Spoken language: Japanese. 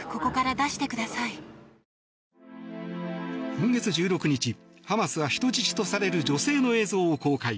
今月１６日、ハマスは人質をされる女性の映像を公開。